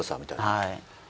はい。